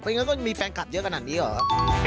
ไม่อย่างนั้นก็มีแฟนกัดเยอะขนาดนี้เหรอ